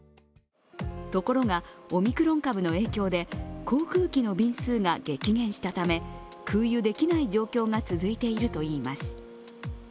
ところが、オミクロン株の影響で航空機の便数が激減したため、空輸できない状況が続いているといいます。